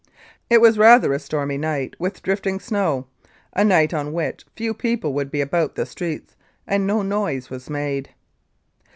It was rather a stormy night, with drifting snow; a night on which few people would be about the streets, and no noise was made.